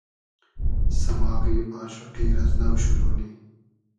سئماغی آشوقی رئز نۆ شورۉ نی